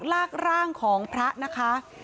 ลากร่างของพระนะคะ